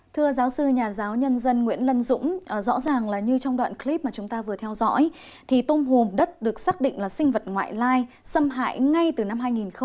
thưa giáo sư nhà giáo nhân dân nguyễn lân dũng rõ ràng là như trong đoạn clip mà chúng ta vừa theo dõi thì tôm hùm đất được xác định là sinh vật ngoại lai xâm hại ngay từ năm hai nghìn một mươi